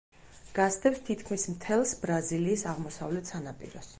გასდევს თითქმის მთელს ბრაზილიის აღმოსავლეთ სანაპიროს.